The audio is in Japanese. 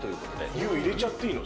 お湯、入れちゃっていいの？